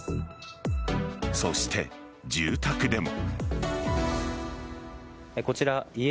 そして、住宅でも。